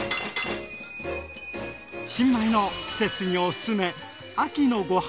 新米の季節におすすめ！